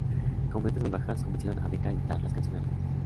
Con ventas muy bajas convencieron a Decca a editar las canciones restantes.